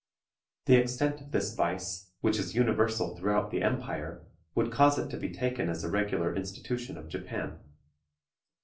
The extent of this vice, which is universal throughout the empire, would cause it to be taken as a regular institution of Japan.